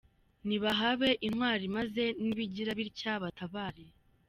Nibahabe intwari maze nibigira bitya batabare.